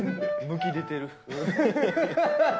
むき出てる。